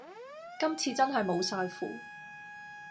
今次真係無晒符